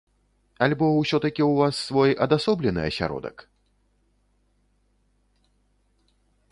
Альбо ўсё-такі ў вас свой адасоблены асяродак?